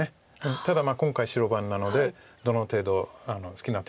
ただ今回白番なのでどの程度好きな展開に持っていけるか。